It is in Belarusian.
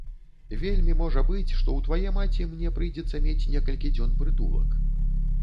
Вельмі можа быць, што ў твае маці мне прыйдзецца мець некалькі дзён прытулак.